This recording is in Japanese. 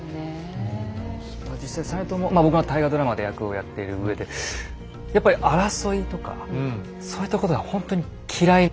実際実朝僕が大河ドラマで役をやっているうえでやっぱり争いとかそういったことがほんとに嫌い。